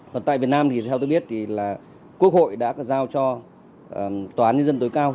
còn tại việt nam thì theo tôi biết thì là quốc hội đã giao cho tòa án nhân dân tối cao